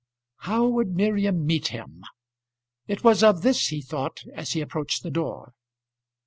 How would Miriam meet him? It was of this he thought, as he approached the door.